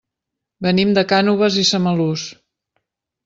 Venim de Cànoves i Samalús.